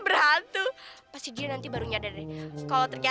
jangan jangan bener ya bilang dari ini